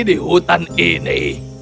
di hutan ini